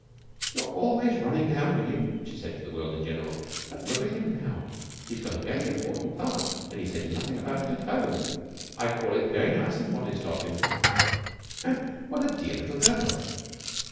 "You're always running down William," she said to the world in general, "but look at him now. He's got a very important part, and he said nothing about it at home. I call it very nice and modest of him. And what a dear little girl."